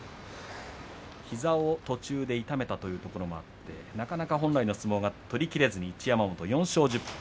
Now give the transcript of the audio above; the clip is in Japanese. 膝を途中で痛めたというところもあってなかなか本来の相撲が取りきれずに一山本４勝１０敗